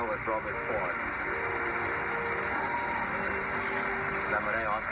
แล้วมาได้ออสคาร์ตัวแรกมานะครับ